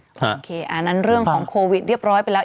โอเคอันนั้นเรื่องของโควิดเรียบร้อยไปแล้ว